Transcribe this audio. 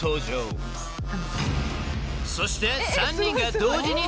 ［そして］